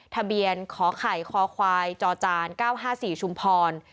ทะเบียนขอไข่คอควายจอจาน๙๕๔ชุมพร